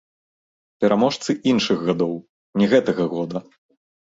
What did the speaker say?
Пераможцы іншых гадоў, не гэтага года.